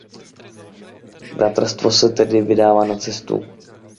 Bratrstvo se tedy vydává na cestu.